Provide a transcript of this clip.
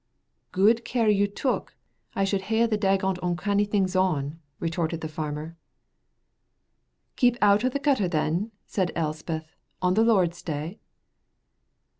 "Guid care you took I should ha'e the dagont oncanny things on," retorted the farmer. "Keep out o' the gutter, then," said Elspeth, "on the Lord's day."